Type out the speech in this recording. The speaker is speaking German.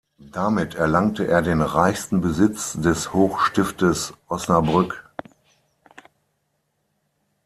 Damit erlangte er den reichsten Besitz des Hochstiftes Osnabrück.